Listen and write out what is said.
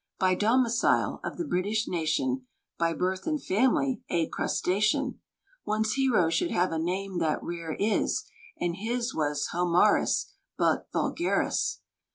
By domicile, of the British Nation; By birth and family, a Crustacean. One's hero should have a name that rare is; And his was Homarus, but _Vulgaris!